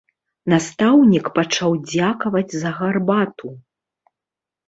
Настаўнік пачаў дзякаваць за гарбату.